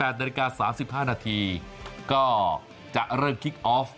นาฬิกา๓๕นาทีก็จะเริ่มคิกออฟ